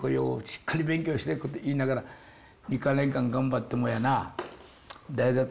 しっかり勉強して」と言いながら２か年間頑張ってもやな大学に入れない。